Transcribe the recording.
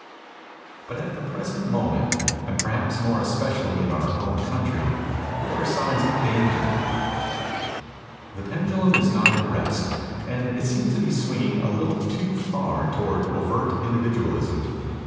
But at the present moment, and perhaps more especially in our own country, there are signs of danger. The pendulum is not at rest, and it seems to be swinging a little too far toward overt individualism.